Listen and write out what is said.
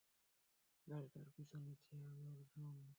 গাড়িটার পিছু নিচ্ছি আমি, অর্জুন!